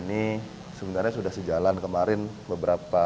nah ini sebenarnya sudah sejalan kemarin beberapa hari